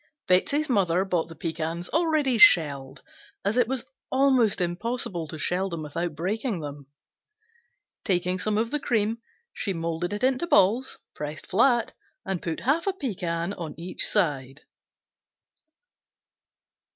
Betsey's mother bought the pecans already shelled, as it was almost impossible to shell them without breaking them. Taking some of the cream, she molded it into balls, pressed flat and put half a pecan on each side.